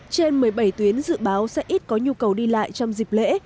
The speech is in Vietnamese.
trên một mươi bảy tuyến dự báo sẽ ít có nhu cầu đi lại trong dịp lễ